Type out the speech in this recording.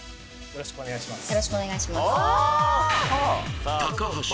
よろしくお願いします